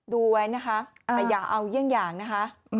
ดูไว้นะคะแต่อย่าเอาเยี่ยงอย่างนะคะ